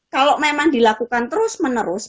kalau memang dilakukan terus menerus